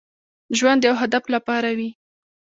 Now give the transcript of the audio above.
ژوند د يو هدف لپاره وي.